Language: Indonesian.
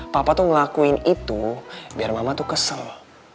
papa tuh ngelakuin itu biar mama tuh kesel